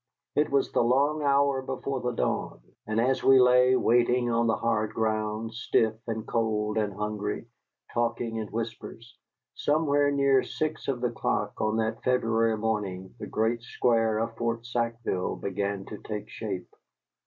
It was the long hour before the dawn. And as we lay waiting on the hard ground, stiff and cold and hungry, talking in whispers, somewhere near six of the clock on that February morning the great square of Fort Sackville began to take shape.